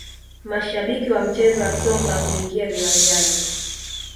mashabiki wa mchezo wa soka kuingia viwanjani